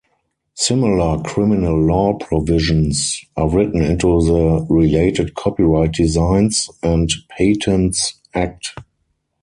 Similar criminal law provisions are written into the related Copyright Designs and Patents Act.